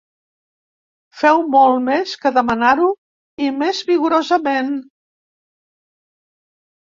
Féu molt més que demanar-ho, i més vigorosament.